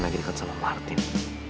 tamume selalu gampang